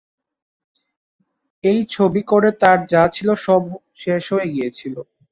এই ছবি করে তাঁর যা ছিল সব শেষ হয়ে গিয়েছিল।